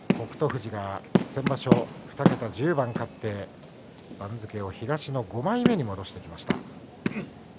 富士が先場所、２桁１０番勝って番付を東の５枚目に戻してきました。